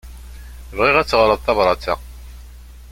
Bɣiɣ ad teɣṛeḍ tabrat-a.